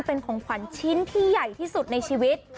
เป็นของขวัญชิ้นที่ใหญ่ที่สุดในชีวิต